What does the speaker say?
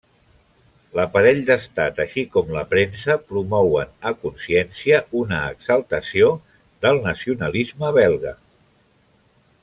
L'aparell d'Estat així com la premsa promouen a consciència una exaltació del nacionalisme belga.